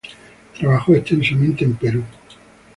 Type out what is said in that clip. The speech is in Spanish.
Trabajó extensamente en Perú.